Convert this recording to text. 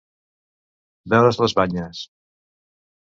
Veure's les banyes.